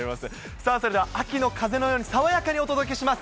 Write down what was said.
さあ、それでは秋の風のように爽やかにお届けします。